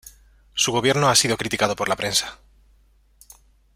Su gobierno ha sido criticado por la prensa.